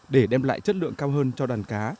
để đem lại chất lượng cao hơn cho đàn cá